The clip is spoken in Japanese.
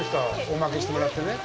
おまけしてもらってね。